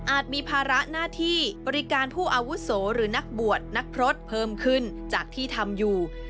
มีภาระหน้าที่บริการผู้อาวุโสหรือนักบวชนักพรสเพิ่มขึ้นจากที่ทำอยู่